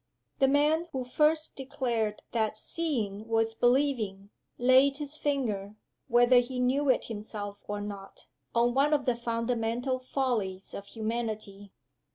The man who first declared that "seeing" was "believing" laid his finger (whether he knew it himself or not) on one of the fundamental follies of humanity.